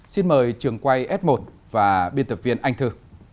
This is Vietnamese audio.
xin mời trường quay s một và biên tập viên anh thư